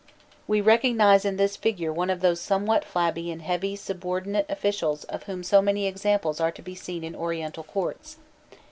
We recognize in this figure one of those somewhat flabby and heavy subordinate officials of whom so many examples are to be seen in Oriental courts.